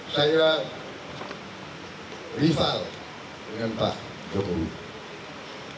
saya rival dengan pak jokowi